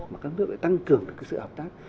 mà các nước sẽ tăng cường được sự hợp tác